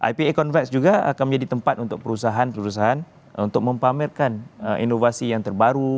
ipa convest juga akan menjadi tempat untuk perusahaan perusahaan untuk memamerkan inovasi yang terbaru